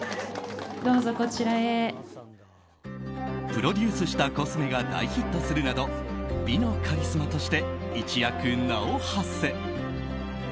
プロデュースしたコスメが大ヒットするなど美のカリスマとして一躍、名を馳せ。